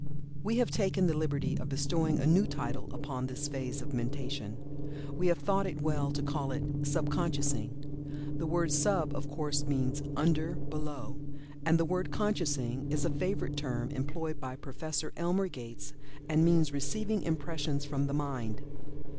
We have taken the liberty of bestowing a new title upon this phase of mentation we have thought it well to call it "Sub consciousing." The word "Sub," of course means "under; below;" and the word "Consciousing" is a favorite term employed by Prof. Elmer Gates, and means receiving impressions from the mind.